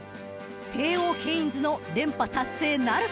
［テーオーケインズの連覇達成なるか？］